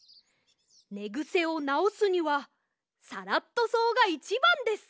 ねぐせをなおすにはサラットそうがいちばんです。